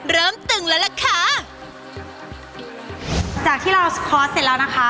ตึงแล้วล่ะค่ะจากที่เราสคอร์สเสร็จแล้วนะคะ